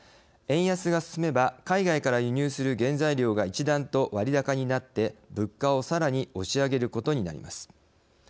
円安が進めば海外から輸入する原材料が一段と割高になって物価をさらに押し上げることになります。